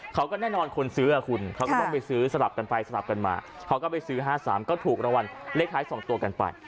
เขาก็แน่นอนคนซื้อคุณเขาก็ต้องไปซื้อสลับกันไปสลับกันมาเขาก็ไปซื้อ๕๓ก็ถูกรางวัลเลขท้าย๒ตัวกันไป